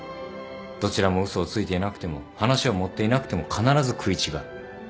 どちらも嘘をついていなくても話を盛っていなくても必ず食い違う。